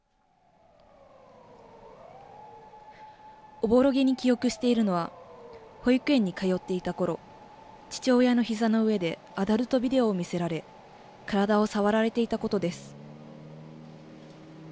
おぼろげに記憶しているのは、保育園に通っていたころ、父親のひざの上でアダルトビデオを見せられ、体を触られていたことです。